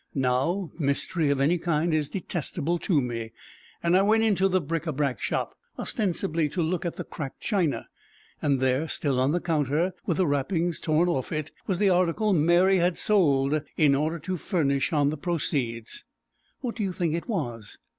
Now mystery of any kind is detestable to me, and I went into the bric a brac shop, ostensibly to look at the cracked china; and there, still on the counter, with the wrapping torn off it, was the article Mary had sold in order to furnish on the proceeds. What do you think it was?